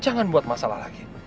jangan buat masalah lagi